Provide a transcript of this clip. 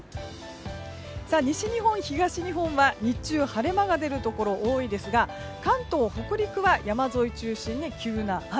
西日本、東日本は日中、晴れ間が出るところ多いですが関東、北陸は山沿いを中心に急な雨。